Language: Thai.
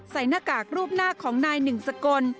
หน้ากากรูปหน้าของนายหนึ่งสกล